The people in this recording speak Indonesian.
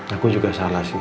aku juga salah sih